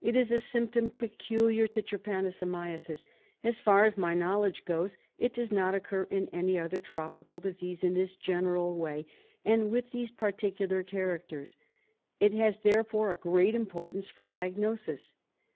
"It is a symptom peculiar to trypanosomiasis. As far as my knowledge goes, it does not occur in any other tropical disease in this general way, and with these particular char acters. It has, therefore, a great importance for diagnosis.